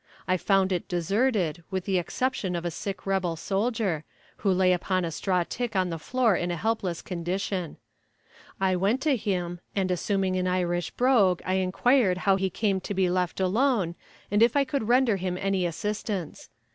I found it deserted, with the exception of a sick rebel soldier, who lay upon a straw tick on the floor in a helpless condition. I went to him, and assuming the Irish brogue, I inquired how he came to be left alone, and if I could render him any assistance.